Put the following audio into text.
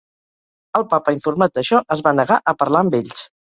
El Papa, informat d'això, es va negar a parlar amb ells.